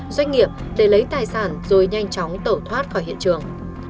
doanh nghiệp để lấy tài sản rồi nhanh chóng tẩu thoát khỏi hiện trường